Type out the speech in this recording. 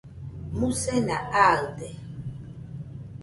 musena aɨde